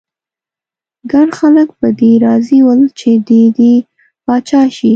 ګڼ خلک په دې راضي ول چې دی دې پاچا شي.